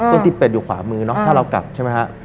ที่เป็ดอยู่ขวามือเนาะถ้าเรากลับใช่ไหมฮะ